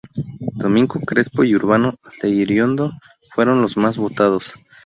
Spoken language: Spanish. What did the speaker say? Domingo Crespo y Urbano de Iriondo fueron los más votados.